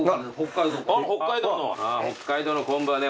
北海道の昆布はね